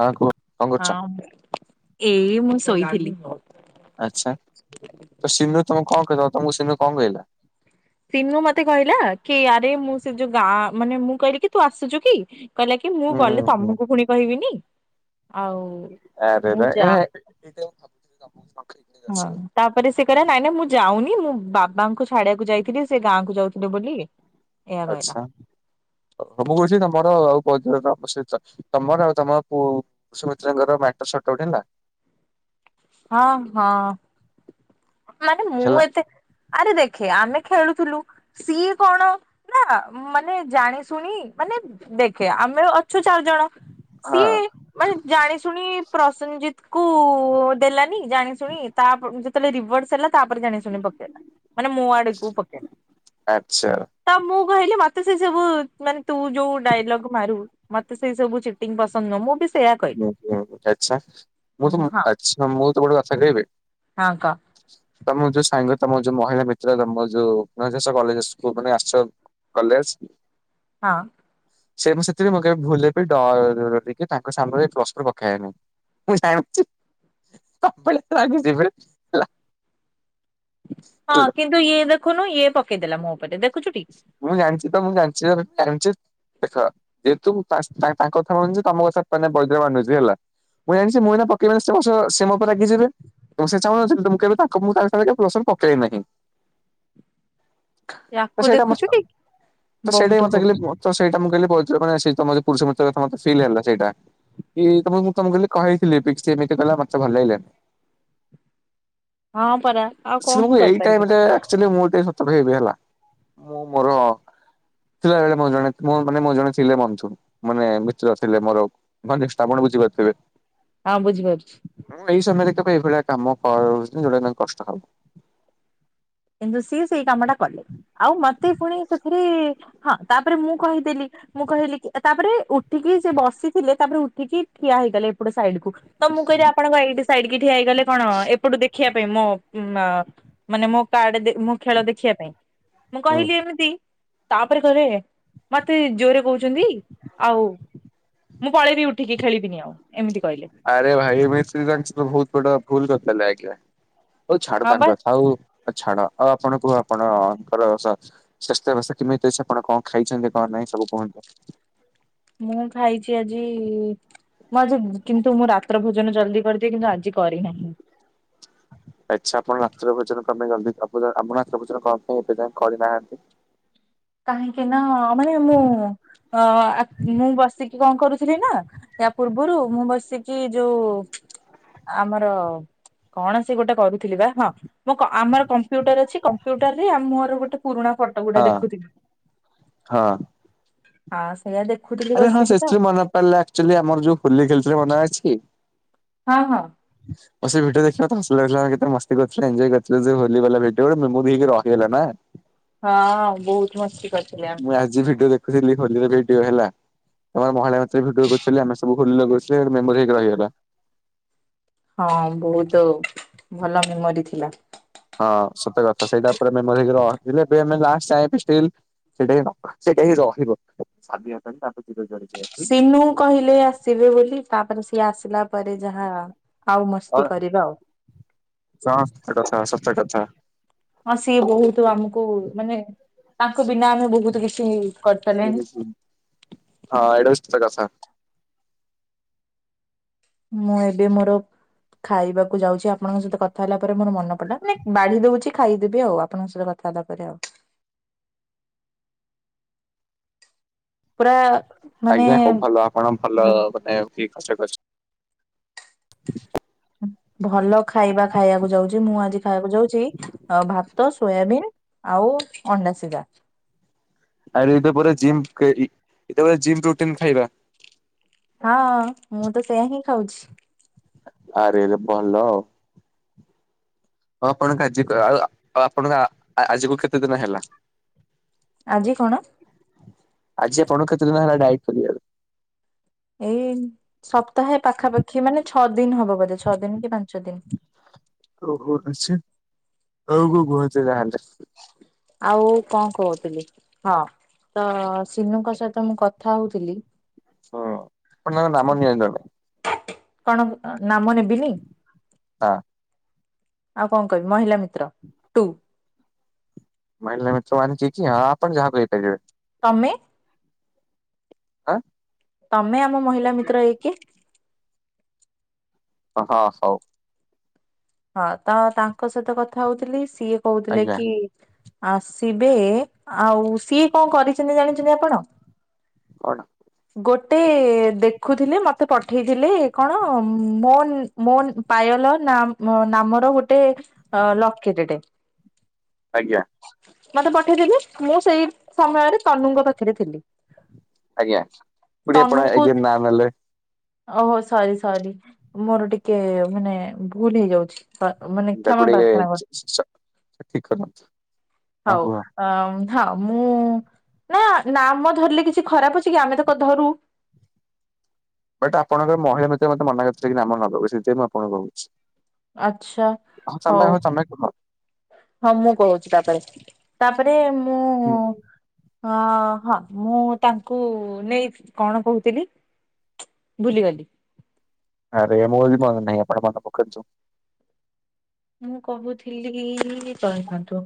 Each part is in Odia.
ହଁ କୁହ କଣ କରୁଛ? ହଁ ଏଇ ମୁ ଶୋଇଥିଲି। ଆଚ୍ଛା ତ ସିନୁ ତମେ କଣ କହିଲ ତମକୁ ସିନୁ କଣ କହିଲା? ସିନୁ ମତେ କହିଲା, କି ଆରେ ମୁଁ ସେ ଯୋଉ ଗାଁ ମାନେ ମୁଁ କହିଲି କି ତୁ ଆସୁଛୁ କି? କହିଲା କି ମୁଁ ହୁଁ ଗଲେ ହୁଁ ତମକୁ ପୁଣି କହିବିନି। ଆଉ ମୁଁ ଯା [unintelligible] [inaudible] ହଁ ଆସିବ। ତାପରେ ସେ କହିଲା ନାଇଁ ନା ମୁଁ ଯାଉ ନି ମୁଁ ବାବାଙ୍କୁ ଛାଡିଆକୁ ଯାଇଥିଲି। ସେ ଗାଁ କୁ ଯାଉଥିଲେ ବୋଲି ଏଇୟା କହିଲା। ଆଚ୍ଛା ହଉ ମୁଁ କହୁଛି [unintelligible] ତମର ଆଉ ତମ ସୁମିତ୍ରାଙ୍କର ମ୍ୟାଟର ସଟ ଆଉଟ୍ ହେଲା। ହଁ ହଁ। ମାନେ ମୁଁ ହେଲା ଏତେ ଆରେ ଦେଖେ ଆମେ ଖେଳୁଥିଲୁ। ସିଏ କଣ ନା ମାନେ ଜାଣି ଶୁଣି ମାନେ ଦେଖେ ଆମେ ଅଛୁ ଚାରି ଜଣ ହଁ ସିଏ ମାନେ ଜାଣି ଶୁଣି ପ୍ରସନଜିତ କୁ ଦେଲାନି ଜାଣି ଶୁଣି। ତା ପ ଯେତେବେଳେ ରି [unintelligible] ତାପରେ ଜାଣି ଶୁଣି ପକେଇଲା। ମାନେ ମୋ ଆଡକୁ ପକେଇଲା ଆଚ୍ଛା। ତ ମୁଁ ମୁଁ କହିଲି ମତେ ସେଇ ସବୁ ମାନେ ତୁ ଯୋଉ ଡାଇଲଗ ମାରୁ। ମତେ ସେଇ ସବୁ ଚିଟିଙ୍ଗ ପସନ୍ଦ ନୁହଁ ମୁଁ ବି ସେଇୟା କହିଲି ହ ହ ଆଛା। ମୁଁ ତମ ହଁ ଆଛା ମୁଁ ତମକୁ ଗୋଟେ କଥା କହିବି ହଁ କହ। ତମ ଯୋଉ ସାଙ୍ଗ ତମ ଯୋଉ ମହିଳା ମିତ୍ର। ତମ ଯୋଉ [unintelligible] କଲେଜ ମାନେ ଆସ କଲେଜ ହଁ ସେ ମୁଁ ସେଥିରେ ମୁଁ କେବେ ଭୁଲ ରେ ବି ଡରି କି ତା [unintelligible] ହଁ କିନ୍ତୁ ଇଏ ଦେ ଖୁନୁ ଇଏ ପକେଇଦେଲା ମୋ ଉପରେ ଦେ ମୁଁ ଜାଣିଛି ତ ମୁଁ ଜାଣିଛି ତ ଜାଣିଛି। ଦେଖ ଯେହେତୁ [unintelligible] ତାଙ୍କ କଥା ମାନୁଛି ତମ କଥା ବରିଦ୍ର ମାନୁଛି ହେଲା ମୁଁ ଜାଣିଛି ମୁଁ ଏଇନା ପକେଇଲେ ସେ ମୋ ସହ ରାଗି ଯିବେ ତେଣୁ ସେ ଚାହୁଁ ନଥିଲେ ମୁଁ କେବେ ତାଙ୍କ ମୁଁ ତାଙ୍କ ସାଙ୍ଗରେ କେବେ [unintelligible] ପକେଇ ନାହିଁ। ତ ୟାକୁ ସେଇଟା ମ ଦେଖୁଛୁଟି ତ ସେଇଟା ବହୁତ ମତେ ହଉଛି [unintelligible] ତ ସେଇଟା ମୁଁ କହିଲି [unintelligible] ତମର ପୁରୁଷ ମିତ୍ର ମତେ ଫିଲ୍ ହେଲା ସେଇଟା କି ତମକୁ କହିଇଥିଲିି କି [unintelligible] ମତେ ଭଲ ଲାଗିଲାନି। ହଁ ପରା ଆଉ କଣ ହିଁ [unintelligible] ଏଇ କରିପାରିବି ଟାଇମଟା ଆକ୍ଚୁଲି ମୁ [unintelligible] ହେଲା ମୁଁ ମୋର ଥିଲାବେଳେ ମୋର ଜଣେ ମାନେ ମୋର ଜଣେ ଥିଲେ ବନ୍ଧୁ ମାନେ ମିତ୍ର ଥିଲେ ମୋର ମାନେ ଆପଣ ବୁଝିପାରୁଥିବେ ହଁ ବୁଝିପାରୁଛି ମୁଁ ଏଇ ସମୟରେ ଏଇଭଳିଆ କାମ କରନି ଯୋଉଟା ତାଙ୍କୁ କଷ୍ଟ ହବ କିନ୍ତୁ ସେ ସେଇ କାମ ଟା କଲେ। ଆଉ ମତେ ପୁଣି ସେଥିରେ ହଁ ତାପରେ ମୁଁ କହିଦେଲି ମୁଁ କହିଲି ତାପରେ ଉଠିକି ସେ ବସିଥିଲେ ତାପରେ ଉଠିକି ଠିଆ ହେଇଗଲା ଏପଟେ ସାଇଡ କୁ ତ ମୁଁ କହିଲି ଆପଣଙ୍କ ଏଇି ସାଇଡ କି ଠିଆଇଗଲେ କଣ ଏପଟୁ ଦେଖିବା। ମୁଁ ମା ମାନେ ମୁଁ କାର୍ଡ ଦେ ମୁଁ ଖେଳ ଦେଖିବା ପାଇଁ ମୁଁ ହୁଁ। କହିଲି ଏମିତି ତାପରେ କହିଲେ ମତେ ଜୋରେ କହୁଛନ୍ତି ଆଉ ମୁଁ ପଳେଇବି ଉଠିକି ଖେଳିବିନି ଆଉ। ଏମିତି କହିଲେ ଆରେ ଭାଇ ମିସ୍ତ୍ରୀ ଜାଣିଛି ତ ବହୁତ ବଡ ଭୁଲ କଥା। ଲେ ଆକ ହଉ ଛାଡ ହଁ ବା କାଙ୍କ କଥା ହଉ ଛାଡ ଆଉ ଆପଣ କହ ଆପଣଙ୍କର ସ୍ୱାସ୍ଥ୍ୟ ବ୍ୟବସ୍ଥା କେମିତି ଅଛି ଆପଣ କଣ ଖାଇଛନ୍ତି କଣ ନାହିଁ ସବୁ କୁହନ୍ତୁ। ମୁଁ ଖାଇଛି ଆଜି ମୁଁ ଆଜି କିନ୍ତୁ ମୁଁ ରାତ୍ର ଭୋଜନ ଜଲଦି କରିଦିଏ କିନ୍ତୁ ଆଜି କରିନାହିଁ। ଆଚଛା ଆପଣ ନାତ୍ର ଭୋଜନ କ ପାଇଁ ଆମ ନାତ୍ର ଭୋଜନ କ ପାଇଁ ଏବେ ଯାଇ କରିନାହାନ୍ତି। କାହିଁକି ନା ମାନେ ମୁଁ ଅ ମୁଁ ବସିକି କଣ କରୁଥିଲି ନା ୟ ପୂର୍ବରୁ ମୁଁ ବସିକି ଯୋଉ ଆମର କଣ ସେ ଗୋଟେ କରୁଥିଲି ବା ହଁ ମୁଁ ଆମର କମ୍ପ୍ୟୁଟର ଅଛି କମ୍ପ୍ୟୁଟର ରେ ମୋର ଗୋଟେ ପୁରୁଣା ଫଟୋ ଗୁଡା ହଁ ଦେଖୁଥିଲୁ। ହଁ। ଆ ଆରେ ହଁ ସେଥିରେ ମନପିଲେଚୁଆଲି ଆମର ଯୋଉ ହୋଲି ଖେରେ ମନେ ଅଛି। ହଁ ହଁ। ବ ଭିଟ ଦେଖିବା କେତେ ମସ୍ କରିୁଥିଲେ ଏୟ କରିଥିଲେ ଯେୋଲି ଗଲା ଭ ମୁଁକି ରହିଗଲା। ହଁ ବହୁତ ମସ୍ତି କରିଥିଲେ ଆମ ଖୁିଲି ହୋଲିରେ ଭେଟିବ ହେଲା। ଆମର ମହିଳା ମ ଭିଡି କରୁ ଆମେ ସବୁ ଭୁଗ ମେମୋରିଇକି ରହିଗଲା। ହଁ ବହୁତ ଭଲ ମେମୋରି ଥିଲା। ହଁ ସତ କଥା ସେଇଟା ଉପରେ ମ ର ଏବେ ଆାଟା ହ ସେଇଟା ହିଁ ରହିବ। ସିନୁ କହିଲେ ଆସିବେ ବୋଲି ତାପରେ ସେ। ଇଏ ଆସିଲା ପରେ ଯାହା। ଆଉ ମସ୍ତି କରିବା ଆଉ। ସଂସ୍ଥା କଥା, ସତ କଥା। ଏଇ ତାଙ୍କ ବିନା ଆମେ ବହୁତ କିଛି ହେଇଚ। ଧୀରେ ଶୁଣ, ହଁ ଏଇଟାସୁ। ସାର୍ ରସା। ମୁଁ ଏବେ ମୋର ଖାଇବାକୁ ଯାଉଛି। ଆପଣଙ୍କ ସହିତ କଥା ହେଲା ପରେ ମୋର ମନେ ପଡ଼ିଲା। ନାଇଁ, ବାଢ଼ି ଦେଉଛି। ଖାଇଦେବି, ଆଉ ଆପଣଙ୍କ ସହିତ କଥାବାର୍ତ୍ତା ପରେ ଆଉ। ପୁରା ମାନେ ଆଜ୍ଞା, ହଉ ଭଲ ଆପଣ ଭଲ କଥା ଫ୍ରି ଫର୍ଷ୍ଟ ୟିଅରକୁ ଆସିଚ। [unintelligible] ଆମ ଭଲ ଖାଇବା ଖାଇବାକୁ ଯାଉଚି। ମୁଁ ଆଜି ଖାଇବାକୁ ଯାଉଛି ଭାତ, ସୋୟାବିନ୍ ଆଉ ଅଣ୍ଡା ଶିଜା। ଆରେ, ଏଇଟା ପୁରା ଜିମ୍ କେ ଇ ଏଟା ବା ଜିମ୍ ପ୍ରୋଟିନ୍ ଖାଇବା। ହଁ ମୁଁ ତ ସେଇଆ ହିଁ ଖାଉଛି। ଆରେରେ ଭଲ ଆଉ। ହଁ, ଆପଣ ଆଜିକୁ ଆ ଆଉ ଆପଣଙ୍କ ଆ ଆଜିକୁ କେତେ ଦିନ ହେଲା? ଆଜି କଣ ଆଜି ଆପଣଙ୍କ କେତେଦିନି ହେଲା ଡାଏଟ୍ କରିବାର? ଏଇ ସପ ତାହା ପାଖାପାଖି ମାନେ ଛଅ ଦିନ ହେବ ବୋଧେ, ଛଅ ଦିନ କି ପାଞ୍ଚ ଦିନ। ଆଛା ହଉ କୋଉ କୁହନ୍ତ ତାହେଲେ। ଆଉ କଣ କହୁଥିଲି। ହଁ ତ ସିନୁଙ୍କ ସହିତ ମୁଁ କଥା ହଉଥିଲି। ହଁ ଫୁଣି ନାମ ନିଅନ୍ତୁ ଏବେ। କଣ ଅ ନାମ ନେବିନି? ହଁ ଆଉ କଣ କହିବୁ ମହିଳା ମିତ୍ର ଟୁ। [unintelligible] ଆଣିଚି କି ଆପଣ ଯାହା କହିପାରିବେ। ତମେ? ଆଁ? ତମେ ଆମ ମହିଳା ମିତ୍ର ର କି? ହଁ ହଁ ସଉ ହଁ ତ ତାଙ୍କ ସହିତ କଥା ହଉଥିଲି ସିଏ କହୁଥିଲେ ଆଜ୍ଞା କି ଆସିବେ। ଆଉ ସିଏ କଣ କରିଚନ୍ତି ଜାଣିଚନ୍ତି ଆପଣ? କଣ ଗୋଟେ ଦେଖୁଥିଲେ ମତେ ପଠ୍ ଉଠେଇଥିଲେ କଣ ଉମ ମୋନ୍ ମୋନ୍ ପାୟଲ ନାମ୍ ମୋ ନାମର ଗୋ ଟ ଅ ଲକି ଟେଡେ ଆଜ୍ଞା। ମତେ ପଠେଇଥିଲି ମୁଁ ସେଇ ସମୟରେ ସନୁଙ୍କ ପାଖରେ ଥିଲି। ଆଜ୍ଞା ପୁଣି ଆପଣ ତନୁକୁ ଏଗେନ ନା ନେଲେ। ଓହୋ ସରି ସରି ମୋର ଟିକେ ମାନେ ଭୁଲ ହେଇଯାଉଛି। ସ- ମାନେ କ୍ଷମା ତାକୁ ଟିକେ ପ୍ରାର୍ଥନା କର ଠିକ କରନ୍ତୁ ହଉ ଆଉ କୁହ। ଅମ୍, ହଁ ମୁଁ ନା ନାମ ଧରିଲେ କିଛି ଖରାପ ଅଛି କି ଆମେ ତକ ଧରୁ। ବଟ୍ ଆପଣଙ୍କର ମହିଳା ମିତ୍ର ମତେ ମନା କରିଥିଲେ କି ଆାମ ନେବୁ ସେଇଥିପାଇ ମୁଁ ଆପଣଙ୍କୁ କହୁଛି। ଆଛା ହଁ ତମେ ହଉ ହଁ ତମେ କୁହ ହଁ ମୁଁ କହୁଛି ତାପରେ ତାପରେ ମୁଁ ହଁ ହଁ ମୁଁ ତାଙ୍କୁ ନେଇ କଣ କହୁଥିଲି ଭୁଲିଗଲି ଆରେ ମୋର ନାହିଁ ଆପଣ ମାନ [unintelligible] ମୁଁ କହୁଥିଲି ରହିଥାନ୍ତୁ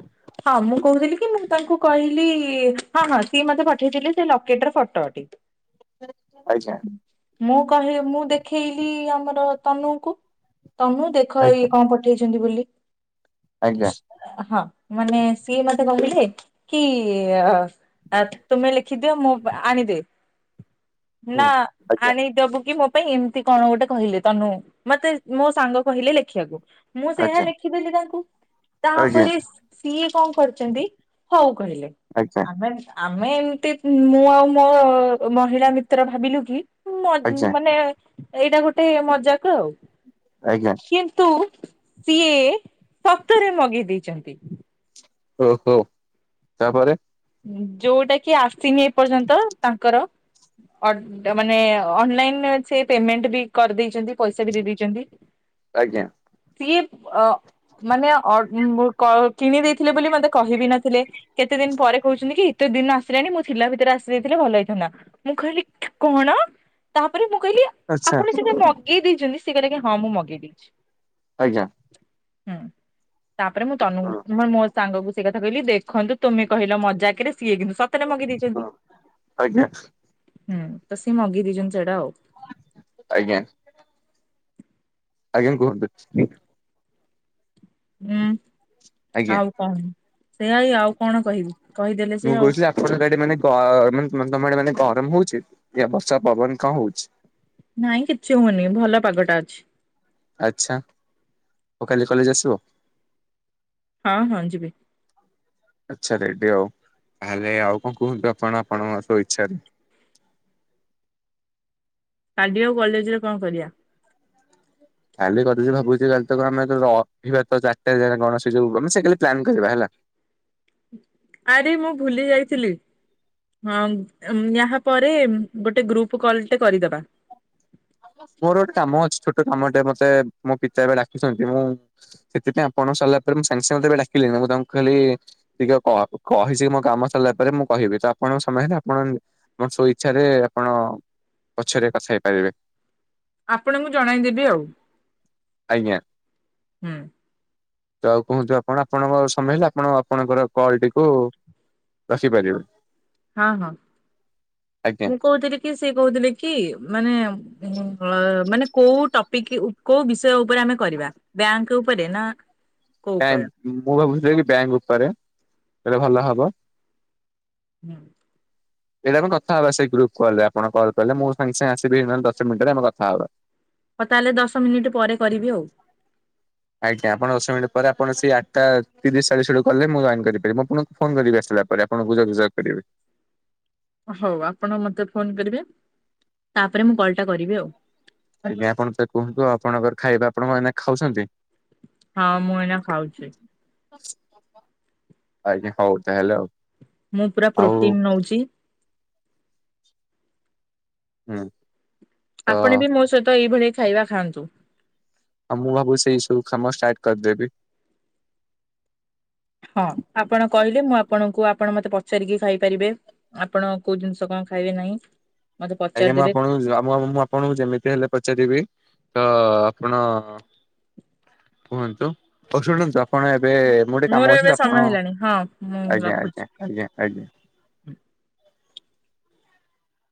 ହଁ ମୁଁ କହୁଥିଲି କି ମୁଁ ତାଙ୍କୁ କହିଲି ହଁ ହଁ ସିଏ ମତେ ପଠେଇଥିଲେ ସେ ଲକେଟ ର ଫଟୋ ଟେ। ଆଚ୍ଛା। ମୁଁ କହ ମୁଁ ଦେଖେଇଲି ଆମର ତନୁ ଙ୍କୁ। ତନୁ ଦେଖ ଆଜ୍ଞା ଏଇଏ କଣ ପ ଛନ୍ତି ବୋଲି। ଆଜ୍ଞା ହଁ। ମାନେ ସିଏ ମତେ କହୁିଲଥିଲେ କି ତୁମେ ଲେଖିଦିଅ ମୁଁ ଆଣିଦି ନା ହୁଁ ଆ ଆଜ୍ଞା ଦଡବୁ କିି ମ ପାଇଁ ଏମିତି କଣ ଗୋଟେ କହିଲେ ତନୁ ମତେ ମୋ ସାଙ୍ଗ କହିଲେ ଲେଖିବାକୁ ମୁଁ ଆଜ୍ଞା ସେୟା ଲେଖିଦେଲି ତାଙ୍କୁ। ଆଜ୍ଞା ତାପରେ ସିଏ କଣ କରିଛନ୍ତି ହଉ କହିଲେ ଆଜ୍ଞା ଆମେ ଆମେ ଏମତି ମୁଁ ଆଉ ମୋ ମହିଳା ମିତ୍ର ଭାବିଲୁ କି ଆଜ୍ଞା ମାନେ ଏଇଟା ଗୋଟେ ମଜାକ ଆଉ ଆଜ୍ଞା କିନ୍ତୁ ସିଏ ଶତରେ ମଗେଇ ଦେଇଛନ୍ତି ଓହୋ ତା ପରେରେ ଯୋଉଟା କି ଆସ ସିନି ଏ ପର୍ଯ୍ୟନ୍ତ ତାଙ୍କର ମାନେ ଅନଲାଇନ ସେ ପେମେଣ୍ଟ ବି କରିଦେଇଛନ୍ତି ପଇସା ବି ଦେଇ ଦେଇଛନ୍ତି ଆଜ୍ଞା ସିଏ ଅ ମାନେ ଅ କିଣି ଦେଇଥିଲେ ବୋଲି ମତେ କହିବି ନଥିଲେ କେତେ ଦିନ ପରେ କହୁଛନ୍ତି କି ଏତେ ଦିନ ଆସିଲାଣି ମଁ ଥିଲା ଭିତରେ ଆସି ଦେଇେଇଥିଲେ ଭଲ ହେଇଥାନ୍ତାମୁଁ କହିଲି କଣ ତାପରେ କହିଲି ଆଚ୍ଛା ଆପଣ ସେତା ମଗେଇ ଦେଇଛନ୍ତି ସେକ ହଁ ମୁଁ ମଗେଇ ଦେଇେଇଛି ଆଜ୍ଞା ହଁ ତାପରେ ମୁଁ ତନୁ ହଁ ମ ସାଙ୍ଗକୁ ସେ କଥା କହିଲି ଦେଖନ୍ତୁ ତୁମେ କହିଲ ମ ଜାକି ସିଏ କିନ୍ତୁ ସତରେ ମଗେଇ ହଁ ଦେଇଛନ୍ତି ଆଜ୍ଞା ହୁଁ ତ ସି ମଗି ଦେଇଛନ୍ତି ସେଟା ଆଉ ଆଜ୍ଞା ଆଜ୍ଞା କୁହନ୍ତୁ ହୁଁ ଆଜ୍ଞା ହଉ କଣ ସେୟା ହଇ ଆଉ କଣ କହିବୁ ମୁଁ କହୁଛିି ଆପଣଡେ ମାନେ ମାନେ ତମେଡେ ମାନେ ଆରମ୍ଭ ହଉଛି ା ବର୍ଷା ପବନ କଣ ହଉଛି? ନାଇଁ କିଛି ହଉନି ଭଲ ପାଗଟା ଅଛି। ଆଚ୍ଛା ଆଉ କାଲି କଲେଜ ଆସିବ ହଁ ହଁ ଯିବି। ଆଚ୍ଛା ରେଡି ଆଉ ତାହେଲେ ଆଉ କଣ କୁହନ୍ତୁ ଆପଣ ଆପଣଙ୍କ ସବୁ ଇଚ୍ଛାାରେ କାଲି ଆଉ କଲେଜରେ କଣ କରିବା କାଲି କଦ ଭାବୁଛି କାଲି ତ ଆମେ ରହିବା ତ ଚାରିଟା ଜା କଣ ସଯୁ ଆମେ ସେ କା ପ୍ଲାନ୍ କରିବା ହେଲା ଆରେ ମୁଁ ଭୁଲି ଯାଇଥିଲି ହଁ ୟା ପରେ ଗୋଟେ ଗ୍ରୁପ କଲ ଟେ କରିଦବା ମୋର ଗୋଟେ କାମ ଅଛି ଛୋଟ କାମ ଟେ ମତେ ମୋ ପିତା ଏବେ ଡାକିଛନ୍ତି ମୁଁ ସେଥିପାଇଁ ଆପଣ ସରିଲା ପରେ ମୁଁ ସାଙ୍ଗେ ସାଙ୍ଗେ ଏବେ ଡାକିଲି ମୁଁ ତାଙ୍କୁ ଖହିଲି ଟିକେ କହିଛି କି ମୋ କାମ ସରିଲା ପରେ ମୁଁ କହିବି ତ ଆପଣ ସମୟ ହେଲେ ଆପଣ ମ ସବୁ ଇଚ୍ଛାରେ ଆପଣ ପଛରେ କଥା ହେଇ ପାରିବେ ଆପଣଙ୍କୁ ଜଣାଇଦେବି ଆଉ ଆଜ୍ଞା ହୁଁ ତ ଆଉ କୁହନ୍ତୁ ଆପଣ ଆପଣଙ୍କ ସମୟ ହେଲେ ଆପଣ ଆପଣଙ୍କର କଲ ଟିକୁ ରଖିପାରିବେ ହଁ ହଁ ଆଜ୍ଞା। ମୁଁ କହୁଥିଲି କି ସେ କହୁଥିଲେ କି ମାନେ ମାନେ କୋଉ ଟପିକ କୋଉ ବିଷୟ ଉପରେ ଆମେ କରିବା ବ୍ୟାଙ୍କ ଉପରେ ନା କୋଉ ଉପରେ ମୁଁ ଭାବୁଥିଲ କି ବ୍ୟାଙ୍କ ଉପରେ ଏଟଲେ ଭଲ ହବ ହୁଁ ଏଇଟା ଆଣ କଥା ହବା ସେଇ ଗୁପ୍ କ ଆପଣ କ୍ କଲେ ମୁଁ ସାଙ୍ଗେ ସାଙ୍ଗେ ଆସିବି ନହେଲେ ଦଶ ମିନିଟ ରେ ଆମ କଥା ହବା ହଁ ତାହେଲେ ଦଶ ମିନିଟ ପରେ କରିବି ଆଉ ଆଜ୍ଞା ଆପଣ ଦଶ ମିନିଟ ପରେ ଆପଣ ସେ ଆଠଟା ତିରିଶ ଚାଳିଶ ବଳକୁ ଗଲେ ମୁଁ ଜଏନ କରିପାରିବି ମୁଁ ଆପଣଙ୍କୁ ଫୋନ କରିବି ଆସିଲା ପରେ ଆପଣଙ୍କୁୁଜର୍ଜର୍ଭ କରିବେ ହଉ ଆପଣ ମତେ ଫୋନ କରିବେ ତାପରେ ମୁଁ କଲ ଟା କରିବି ଆଉ ଆଜ୍ଞା ଆପଣ ତ କୁହନ୍ତୁ ଆପଣଙ୍କର ଖାଇବେ ଆପଣ କ ଖାଉଛନ୍ତି ହଁ ମୁଁ ଏନା ଖାଉଛି ଆଜ୍ଞା ହଉ ତାହେଲେ ଆଉ ମୁଁ ପୁରା ଆଉ ପ୍ରୋଟିନ ନଉଛି ହୁଁ ତ ଆପଣ ବି ମୋ ସହିତ ଏଇଭଳି ଖାଇବା ଖାଆନ୍ତୁ ଆଉ ମୁଁ ଭାବୁଛି ସେଇ ସବୁ କାମ ଷ୍ଟାର୍ଟ କରିଦେବି ହଁ ଆପଣ କହିଲେ ମୁଁ ଆପଣଙ୍କୁ କୁ ଆପଣ ମତେ ପଚାରିକି ଖାଇ ପାରିବେ ଆପଣ କୋଉ ଜିନିଷ କଣ ଖାଇବେ ନାହିଁ ମତେ ଆଜ୍ଞା ମୁଁ ପଚାରିଦେବେ ଆପଣଙ୍କୁ ମୁଁ ଆପଣଙ୍କୁ ଯେମିତି ହେଲେ ପଚାରିବି ତ ଆପଣ କୁହନ୍ତୁ ଆଉ ଶୁଣନ୍ତୁ ଆପଣ ଏବେ ମୁଁ ଗିକେ ମୋର କାମ ଅଛି ଏବେ ତ ସମୟ ଆପଣ ହେଲାଣି ହଁ ମୁଁ ଆଜ୍ଞା ରଖୁଛି। ଆା ଆଞ ଆଞା